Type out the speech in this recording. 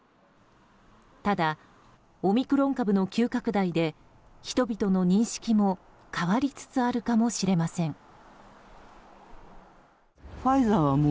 ただオミクロン株の急拡大で人々の認識も変わりつつあるかもしれません。